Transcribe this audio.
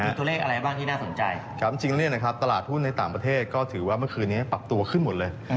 มีตัวเลขอะไรบ้างที่น่าสนใจความจริงเนี่ยนะครับตลาดหุ้นในต่างประเทศก็ถือว่าเมื่อคืนนี้ปรับตัวขึ้นหมดเลย